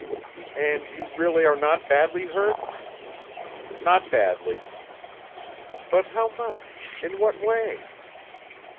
"And you really are not badly hurt?" "Not badly." "But how much in what way?"